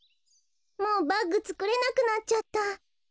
もうバッグつくれなくなっちゃった。